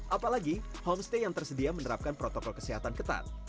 apalagi homestay yang tersedia menerapkan protokol kesehatan ketat